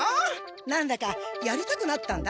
何だかやりたくなったんだ。